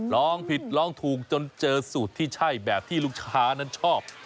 ร้องผิดร้องถูกจนเจอสูตรที่ใช่แบบที่ลูกค้านั้นชอบ